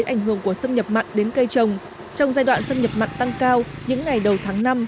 ảnh hưởng của xâm nhập mặn đến cây trồng trong giai đoạn xâm nhập mặn tăng cao những ngày đầu tháng năm